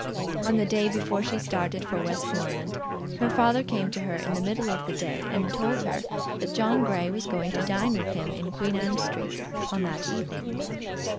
On the day before she started for Westmoreland her father came to her in the middle of the day, and told her that John Grey was going to dine with him in Queen Anne Street on that evening.